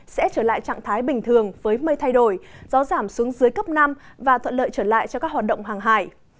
sẽ trở lại trạng thái bình thường với mây thay đổi gió giảm xuống dưới cấp năm và thuận lợi trở lại cho các hoạt động hàng hải